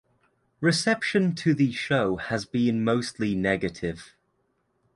Reception to the show has been mostly negative.